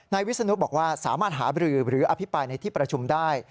วิศนุบอกว่าสามารถหาบรือหรืออภิปรายในที่ประชุมได้